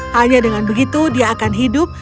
hanya dengan begitu dia akan hidup